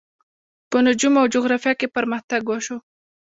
په نجوم او جغرافیه کې پرمختګ وشو.